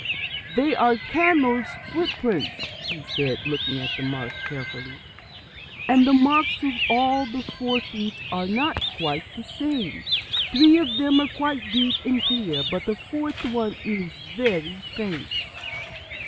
"They are a camel's footprints," he said, looking at the marks carefully. "And the marks of all the four feet are not quite the same. Three of them are quite deep and clear; but the fourth one is very faint."